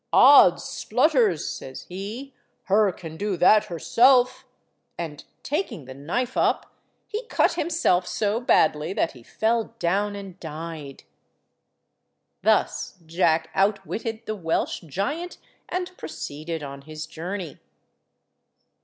"Odds splutters," says he, "hur can do that hurself," and, taking the knife up, he cut himself so badly that he fell down and died. Thus Jack outwitted the Welsh giant and proceeded on his journey.